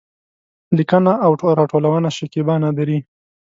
لیکنه او راټولونه: شکېبا نادري